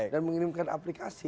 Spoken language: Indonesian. dan mengirimkan aplikasi